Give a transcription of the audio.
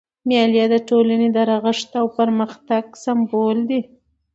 مېلې د ټولني د رغښت او پرمختګ سمبول دي.